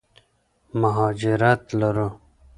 مهاجرت لرو.